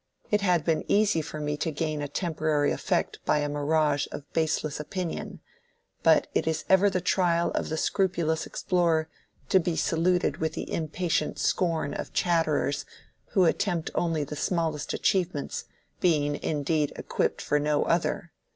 It had been easy for me to gain a temporary effect by a mirage of baseless opinion; but it is ever the trial of the scrupulous explorer to be saluted with the impatient scorn of chatterers who attempt only the smallest achievements, being indeed equipped for no other.